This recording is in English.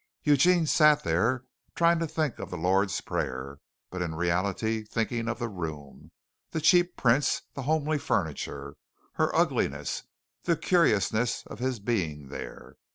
Eugene sat there trying to think of the Lord's prayer, but in reality thinking of the room, the cheap prints, the homely furniture, her ugliness, the curiousness of his being there.